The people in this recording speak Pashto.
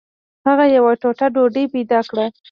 هغه یوه ټوټه ډوډۍ پیدا کړه.